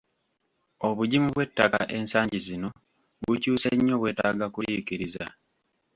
Obugimu bw'ettaka ensangi zino bukyuse nnyo bwetaaga kuliikiriza.